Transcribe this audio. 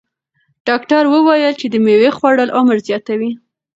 ډاکتر وویل چې د مېوې خوړل عمر زیاتوي.